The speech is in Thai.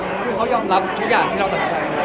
คือนี่เขายอมรับทุกอย่างที่เราตัดใจขึ้นมาก